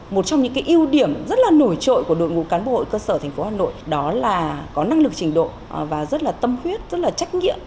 một trong những ưu điểm rất là nổi trội của đội ngũ cán bộ hội cơ sở tp hà nội đó là có năng lực trình độ và rất là tâm huyết rất là trách nhiệm